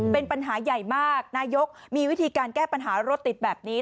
เป็นปัญหาใหญ่มากนายกมีวิธีการแก้ปัญหารถติดแบบนี้